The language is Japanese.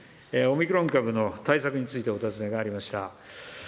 オミクロン株の対策についてお尋ねがありました。